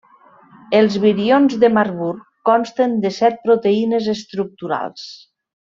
Els virions de Marburg consten de set proteïnes estructurals.